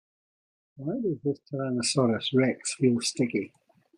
Why does this tyrannosaurus rex feel sticky?